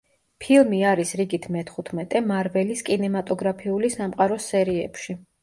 ფილმი არის რიგით მეთხუთმეტე მარველის კინემატოგრაფიული სამყაროს სერიებში.